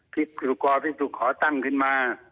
พิศุกรพิศุขอตั้งขึ้นมา